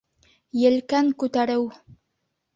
Елкән күтәреү